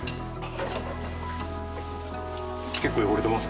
結構汚れてます？